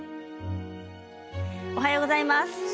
おはようございます。